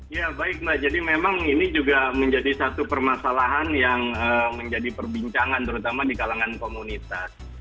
ya baik mbak jadi memang ini juga menjadi satu permasalahan yang menjadi perbincangan terutama di kalangan komunitas